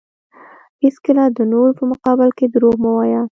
هیڅکله د نورو په مقابل کې دروغ مه وایه.